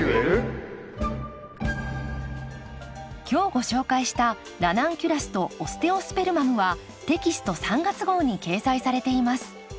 今日ご紹介した「ラナンキュラスとオステオスペルマム」はテキスト３月号に掲載されています。